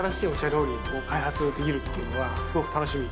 料理を開発できるっていうのはすごく楽しみ。